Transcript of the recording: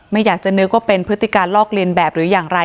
ไม่อยากจะนึกว่าเป็นพฤติการลอกเลียนแบบหรืออย่างไร